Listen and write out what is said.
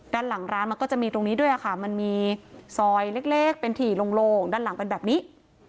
ด้านหลังร้านมันก็จะมีตรงนี้ด้วยค่ะมันมีซอยเล็กเป็นถี่โล่งด้านหลังเป็นแบบนี้